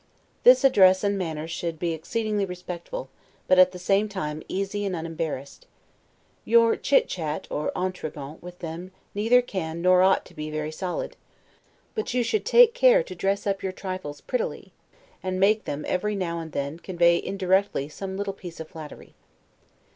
This address and manner should be exceedingly respectful, but at the same time easy and unembarrassed. Your chit chat or 'entregent' with them neither can, nor ought to be very solid; but you should take care to turn and dress up your trifles prettily, and make them every now and then convey indirectly some little piece of flattery.